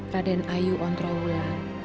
kaden ayu ontraula